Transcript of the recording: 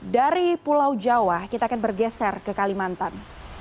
dari pulau jawa kita akan bergeser ke kalimantan